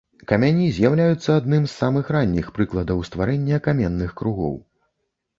Камяні з'яўляюцца адным з самых ранніх прыкладаў стварэння каменных кругоў.